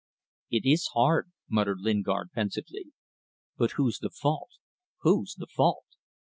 "It is hard," muttered Lingard, pensively. "But whose the fault? Whose the fault?"